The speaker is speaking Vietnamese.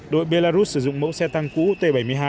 đội belarus sử dụng mẫu xe tăng cũ t bảy mươi hai